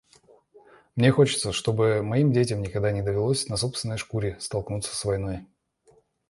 Мне хочется, чтобы моим детям никогда не довелось на собственной шкуре столкнуться с войной.